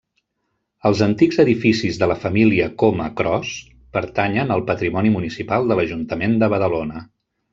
Els antics edificis de la família Coma-Cros pertanyen al patrimoni municipal de l'Ajuntament de Badalona.